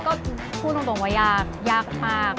ก็พูดตรงว่ายากยากมาก